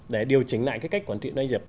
để điều chỉnh lại cái cách quản trị doanh nghiệp